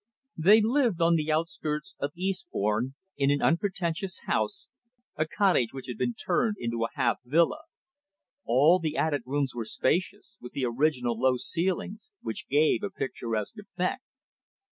They lived on the outskirts of Eastbourne, in an unpretentious house, a cottage which had been turned into a half villa. All the added rooms were spacious, with the original low ceilings, which gave a picturesque effect.